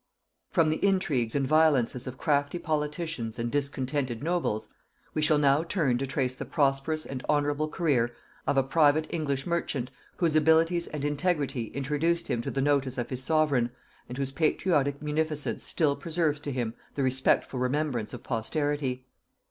From the intrigues and violences of crafty politicians and discontented nobles, we shall now turn to trace the prosperous and honorable career of a private English merchant, whose abilities and integrity introduced him to the notice of his sovereign, and whose patriotic munificence still preserves to him the respectful remembrance of posterity.